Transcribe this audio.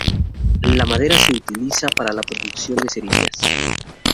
La madera se utiliza para la producción de cerillas.